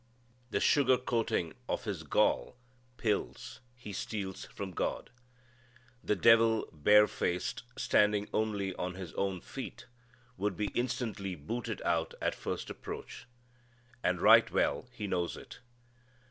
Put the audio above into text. The sugar coating of his gall pills he steals from God. The devil bare faced, standing only on his own feet, would be instantly booted out at first approach. And right well he knows it.